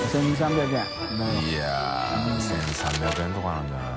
い筺１３００円とかなんじゃない？